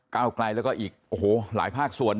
ก้าวไกลแล้วก็อีกหลายภาคส่วน